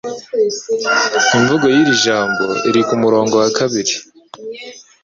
Imvugo yiri jambo iri kumurongo wa kabiri.